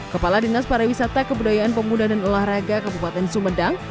kepala dinas para wisata kebudayaan pemuda dan elah raga kabupaten sumedang